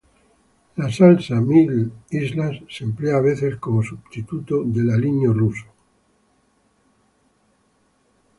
La salsa mil islas se emplea a veces como substituto del aliño ruso.